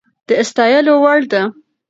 د ستايلو وړ ده